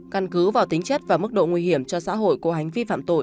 căn cứ vào tính chất và mức độ nguy hiểm cho xã hội của hành vi phạm tội